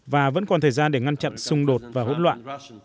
và vẫn còn thời gian để ngăn chặn xung đột và hỗn loạn